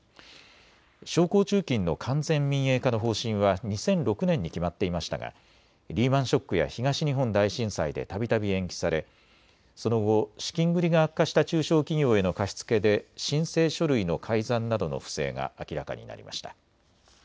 商工中金の完全民営化の方針は２００６年に決まっていましたがリーマンショックや東日本大震災でたびたび延期されその後、資金繰りが悪化した中小企業への貸し付けで申請書類の改ざんなどの不正が明らかになりました。